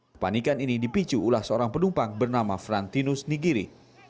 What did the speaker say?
kepanikan ini dipicu ulah seorang penumpang bernama frantinus nigiri